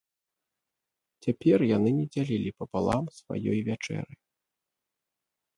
Цяпер яны не дзялілі папалам сваёй вячэры.